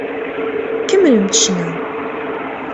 Kemmlemt ccna!